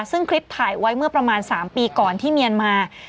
ซึ่งคลิปถ่ายไว้เมื่อประมาณ๓ปีก่อนที่เมียนมา